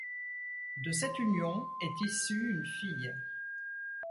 De cette union est issue une fille.